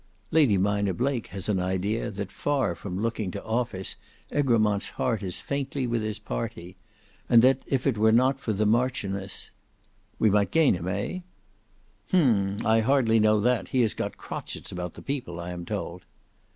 "Lady Mina Blake has an idea that far from looking to office, Egremont's heart is faintly with his party; and that if it were not for the Marchioness—" "We might gain him, eh?" "Hem; I hardly know that: he has got crotchets about the people I am told."